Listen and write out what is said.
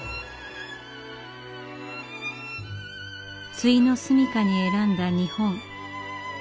ついの住みかに選んだ日本。